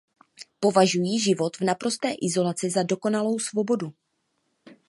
Považují život v naprosté izolaci za dokonalou svobodu.